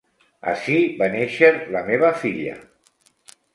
Ací va néixer la meva filla.